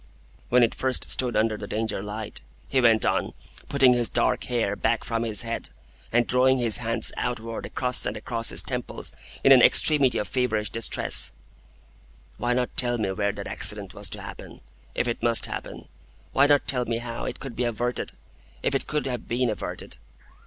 "When it first stood under the Danger light," he went on, putting his dark hair back from his head, and drawing his hands outward across and across his temples in an extremity of feverish distress, "why not tell me where that accident was to happen,—if it must happen? Why not tell me how it could be averted,—if it could have been averted?